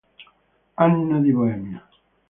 Anna di Boemia